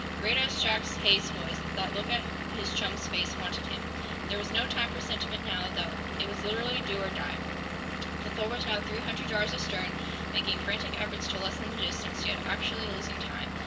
Great as Jack's haste was, that look at his chum's face haunted him. There was no time for sentiment, now, though. It was literally do or die! The "Thor" was now three hundred yards astern, making frantic efforts to lessen the distance, yet actually losing time.